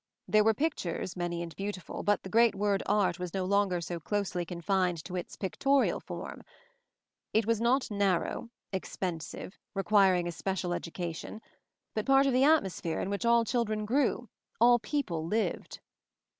There were pictures, many and beautiful, but the great word Art was no longer so closely confined to its pictorial form. It was not narrow, expensive, requiring a special education, but part of the atmosphere in which all chil dren grew, all people lived.